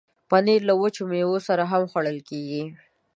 پنېر له وچو میوو سره هم خوړل کېږي.